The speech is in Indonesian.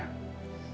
aku mau pergi